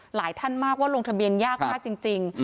หลายท่านมากว่าลงทะเบียนยากมากจริง